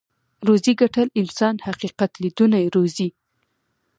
روزي ګټل انسان حقيقت ليدونی روزي.